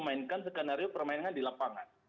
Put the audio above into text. jangan hanya memainkan skenario permainan di lapangan